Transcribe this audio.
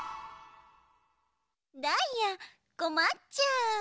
ダイヤこまっちゃう。